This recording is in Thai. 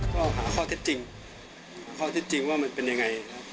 ก็หาข้อเท็จจริงหาข้อเท็จจริงว่ามันเป็นอย่างไร